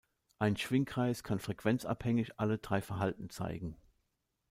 Ein Schwingkreis kann frequenzabhängig alle drei Verhalten zeigen.